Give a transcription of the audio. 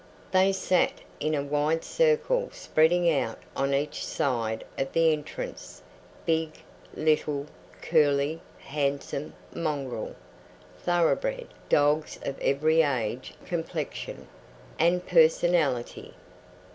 They sat in a wide circle spreading out on each side of the entrance, big, little, curly, handsome, mongrel, thoroughbred dogs of every age, complexion, and personality.